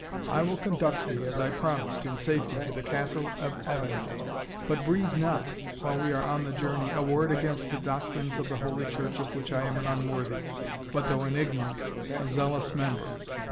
I will conduct thee, as I promised, in safety to the Castle of Avenel; but breathe not, while we are on the journey, a word against the doctrines of the holy church of which I am an unworthy but though an ignorant, a zealous member.